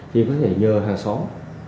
thì có thể nhờ hàng xóm